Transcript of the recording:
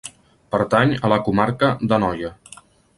Pertany a la comarca de Noia.